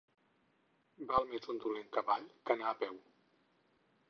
Val més un dolent cavall que anar a peu.